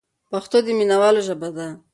پښتو د مینوالو ژبه ده.